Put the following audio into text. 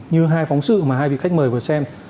như hai phóng sự mà hai vị khách mời vừa xem